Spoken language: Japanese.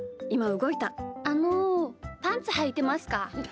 あのパンツはいてますか？